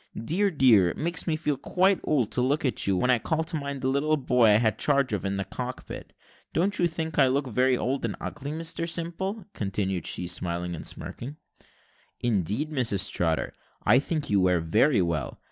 Dear, dear, it makes me feel quite old to look at you, when I call to mind the little boy whom I had charge of in the cockpit. Don't you think I look very old and ugly, Mr Simple?" continued she, smiling and smirking. "Indeed, Mrs Trotter, I think you wear very well.